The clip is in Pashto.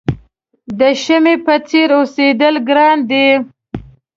د شمعې په څېر اوسېدل ګران دي.